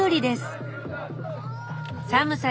寒さ